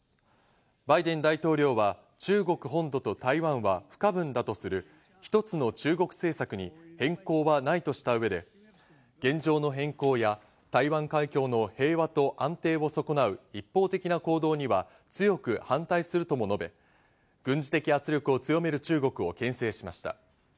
バイデン大統領は中国本土と台湾は不可分だとする一つの中国政策に変更はないとした上で、現状の変更や、台湾海峡の平和と安定を損なう一方的な行動には強く反対するとも述べ、軍事的圧力を強める中国を牽制しました。